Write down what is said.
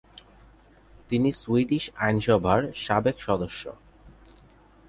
তিনি সুইডিশ আইনসভার সাবেক সদস্য।